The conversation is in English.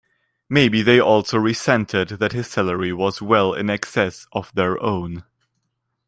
Maybe they also resented that his salary was well in excess of their own.